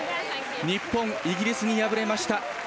日本、イギリスに敗れました。